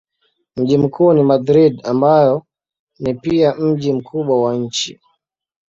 Mji mkuu ni Madrid ambayo ni pia mji mkubwa wa nchi.